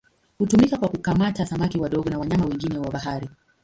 Hutumika kwa kukamata samaki wadogo na wanyama wengine wa bahari.